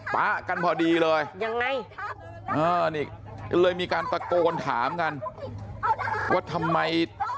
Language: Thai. ปะกันพอดีเลยนี่เลยมีการตะโกนถามกันว่าทำไม